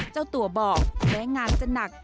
เจ้าตัวบอกแม้งานจะหนัก